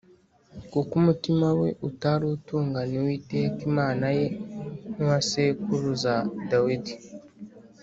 kuko umutima we utari utunganiye Uwiteka Imana ye nk’uwa sekuruza Dawidi